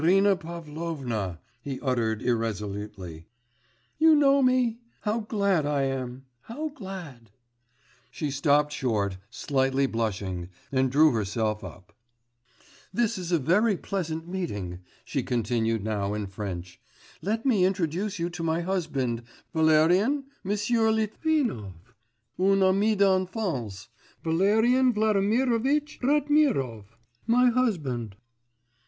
'Irina Pavlovna,' he uttered irresolutely. 'You know me? How glad I am! how glad ' She stopped short, slightly blushing, and drew herself up. 'This is a very pleasant meeting,' she continued now in French. 'Let me introduce you to my husband. Valérien, Monsieur Litvinov, un ami d'enfance; Valerian Vladimirovitch Ratmirov, my husband.